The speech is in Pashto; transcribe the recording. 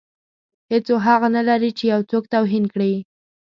هیڅوک حق نه لري چې یو څوک توهین کړي.